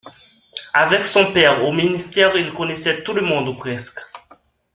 Avec son père au Ministère, il connaissait tout le monde ou presque.